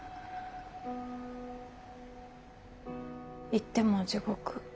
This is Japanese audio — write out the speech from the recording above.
言っても地獄。